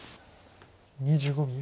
２５秒。